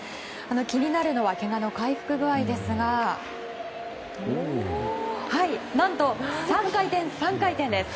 気になるのはけがの回復具合ですが何と３回転３回転です。